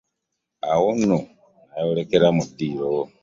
Awo nno nayolekera mu ddiiro.